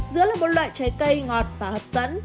giữa là một loại trái cây ngọt và hấp dẫn